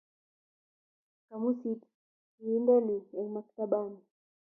kamusit kinde ni eng maktabaini